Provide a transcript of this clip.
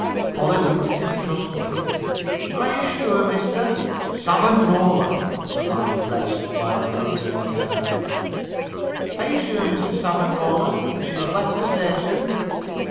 Polly looked at him trustfully. "Are you sure, Mr. " "Savanrola," the lying wretch supplied without turning a hair. "Are you sure, Mr. Savanrola, that he has left the station?"